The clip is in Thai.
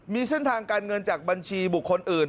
มีเส้นทางการเงินจากบัญชีบุคคลอื่น